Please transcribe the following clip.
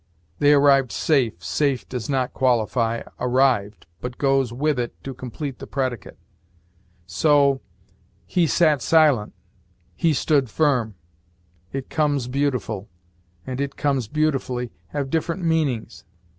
'They arrived safe': 'safe' does not qualify 'arrived,' but goes with it to complete the predicate. So, 'he sat silent,' 'he stood firm.' 'It comes beautiful' and 'it comes beautifully' have different meanings.